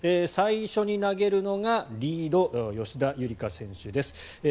最初に投げるのがリード、吉田夕梨花選手です。